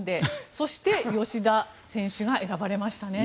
そして、吉田選手が選ばれましたね。